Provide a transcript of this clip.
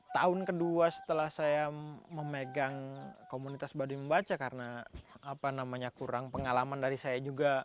tahun kedua setelah saya memegang komunitas baduy membaca karena kurang pengalaman dari saya juga